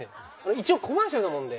一応コマーシャルなもんで。